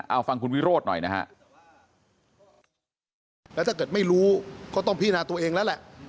เอาฟังคุณวิโรธหน่อยนะฮะแล้วถ้าเกิดไม่รู้ก็ต้องพินาตัวเองแล้วแหละ